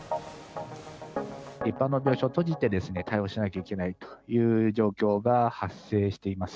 一般の病床を閉じて対応しなきゃいけないという状況が発生しています。